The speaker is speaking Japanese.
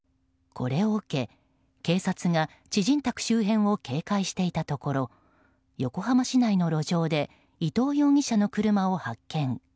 これを受け、警察が知人宅周辺を警戒していたところ横浜市内の路上で伊藤容疑者の車を発見。